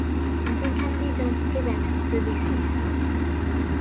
Nothing can be done to prevent the disease.